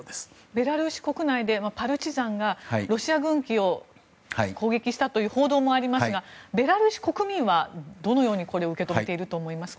ベラルーシ国内でパルチザンがロシア軍機を攻撃したという報道もありますがベラルーシ国民はどのように受け止めていると思いますか。